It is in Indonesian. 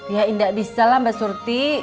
yaa indah bisa lah mbak surti